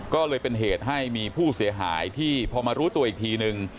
ก็เลยเป็นเหตุให้มีผู้เสียหายที่พอมารู้ตัวอีกทีนึง